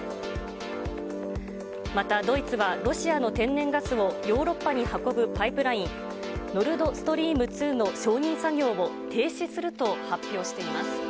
またドイツは、ロシアの天然ガスをヨーロッパに運ぶパイプライン、ノルドストリーム２の承認作業を停止すると発表しています。